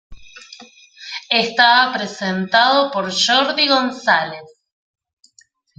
Estaba presentado por Jordi González.